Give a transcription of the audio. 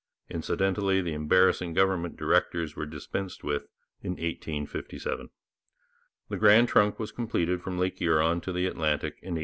Incidentally, the embarrassing government directors were dispensed with in 1857. The Grand Trunk was complete from Lake Huron to the Atlantic in 1860.